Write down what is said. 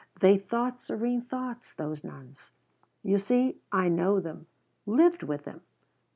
They thought serene thoughts, those nuns. You see I know them, lived with them.